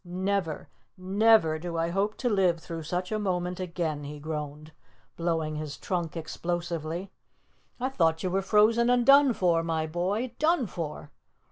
"Never never do I hope to live through such a moment again," he groaned, blowing his trunk explosively. "I thought you were frozen and done for, my boy done for!"